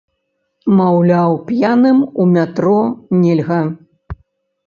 Маўляў, п'яным у метро нельга.